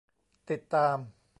ติดตาม